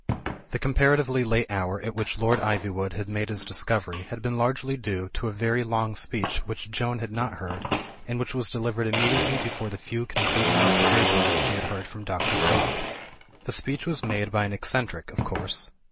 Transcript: The comparatively late hour at which Lord Iv)rwood had made his discovery had been largely due to a very long speech which Joan had not heard, and which was delivered immediately before the few concluding ob servations she had heard from Dr. Gluck. The speech was made by an eccentric, of course.